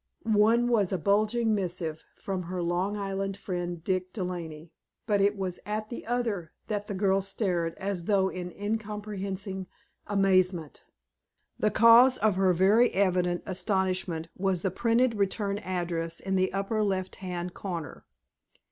One was a bulging missive from her Long Island friend, Dick De Laney, but it was at the other that the girl stared as though in uncomprehending amazement. The cause of her very evident astonishment was the printed return address in the upper left hand corner.